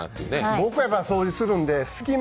僕は掃除するんですきま